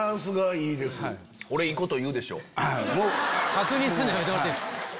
確認するのやめてもらっていいですか。